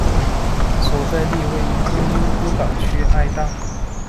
所在地位于东京都港区爱宕。